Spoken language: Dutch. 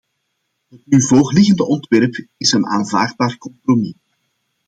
Het nu voorliggende ontwerp is een aanvaardbaar compromis.